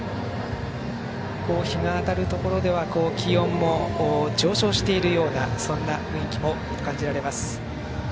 日が当たるところでは気温も上昇しているようなそんな雰囲気も感じられます。